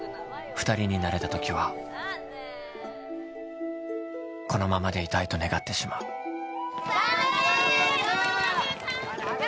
二人になれた時はこのままでいたいと願ってしまう頑張れ！